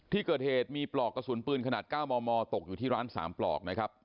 ที่เกิดเหตุมีปลอกกระสุนปืนขนาด๙มมตกอยู่ที่ร้าน๓ปลอกนะครับ